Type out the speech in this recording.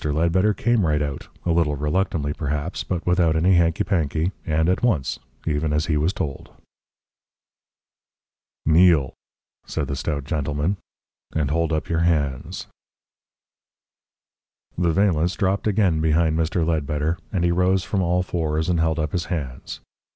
Ledbetter came right out, a little reluctantly perhaps, but without any hanky panky, and at once, even as he was told. "Kneel," said the stout gentleman, "and hold up your hands." The valance dropped again behind Mr. Ledbetter, and he rose from all fours and held up his hands.